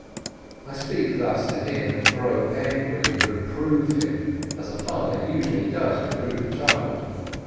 I speak thus to him and grow angry and reprove him as a father usually does reprove a child.